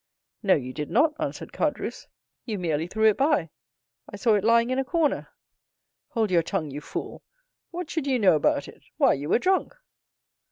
"No, you did not!" answered Caderousse, "you merely threw it by—I saw it lying in a corner." "Hold your tongue, you fool!—what should you know about it?—why, you were drunk!"